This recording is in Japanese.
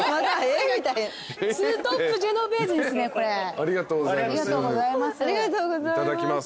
ありがとうございます。